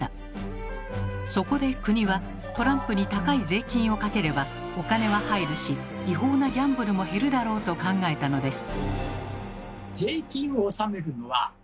そこで国はトランプに高い税金をかければお金は入るし違法なギャンブルも減るだろうと考えたのです。